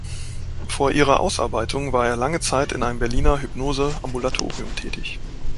Vor ihrer Ausarbeitung war er lange Zeit in einem Berliner Hypnose-Ambulatorium tätig.